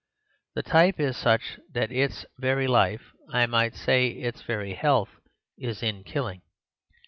The type is such that its very life— I might say its very health—is in killing.